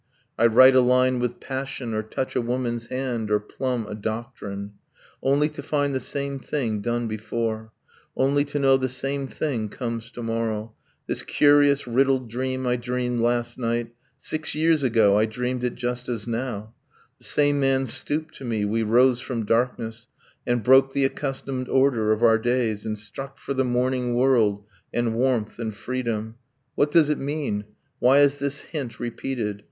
I write a line with passion (Or touch a woman's hand, or plumb a doctrine) Only to find the same thing, done before, Only to know the same thing comes to morrow. ... This curious riddled dream I dreamed last night, Six years ago I dreamed it just as now; The same man stooped to me; we rose from darkness, And broke the accustomed order of our days, And struck for the morning world, and warmth, and freedom. ... What does it mean? Why is this hint repeated?